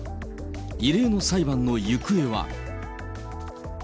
異例の裁判の行方は。